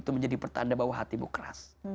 itu menjadi pertanda bahwa hatimu keras